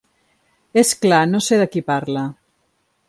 És clar, no sé de qui parla.